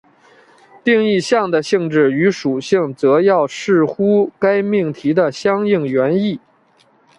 定义项的性质与属性则要视乎该命题的相应原意。